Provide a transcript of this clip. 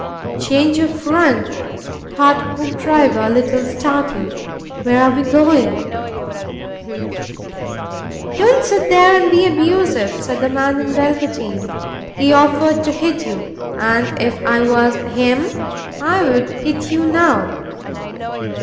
"Change of front," thought Hoopdriver, a little startled. "Where are we going?" "Don't sit there and be abusive," said the man in velveteen. "He's offered to hit you, and if I was him, I'd hit you now."